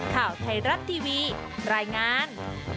ข่าวไทยรัฐทีวีรายงาน